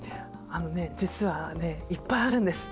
あのね実はねいっぱいあるんです。